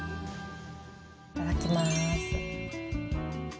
いただきます。